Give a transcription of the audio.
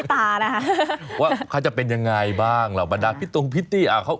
แต่เขาฝากถามอีกทีว่า